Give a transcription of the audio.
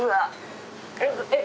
えっ？